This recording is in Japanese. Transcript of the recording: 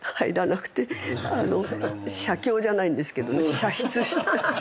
写経じゃないんですけどね写筆。